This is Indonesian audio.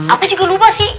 aku juga lupa sih